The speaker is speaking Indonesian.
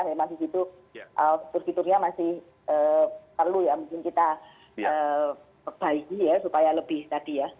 memang disitu fiturnya masih perlu ya mungkin kita perbaiki ya supaya lebih tadi ya